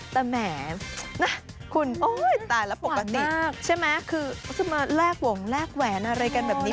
แต่แหมคุณโอ้ยตายแล้วปกติใช่ไหมคือเขาจะมาแลกหวงแลกแหวนอะไรกันแบบนี้